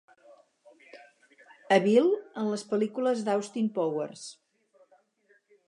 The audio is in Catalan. Evil en les pel·lícules d'Austin Powers.